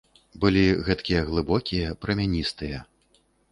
Былі гэткія глыбокія, прамяністыя.